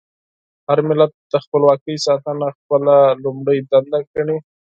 هر ملت د خپلواکۍ ساتنه خپله لومړنۍ دنده ګڼي.